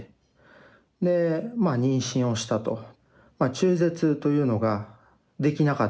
中絶というのができなかったと。